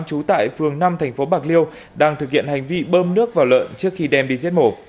trú tại phường năm thành phố bạc liêu đang thực hiện hành vi bơm nước vào lợn trước khi đem đi giết mổ